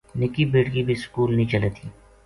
نِکی بیٹکی بھی سکول نیہہ چلے تھیَ